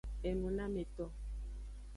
Enunameto.